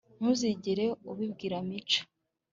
ntuzigere ubibwira mico